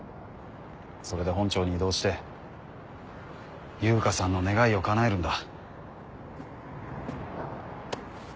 それで本庁に異動して悠香さんの願いを叶えるんだ。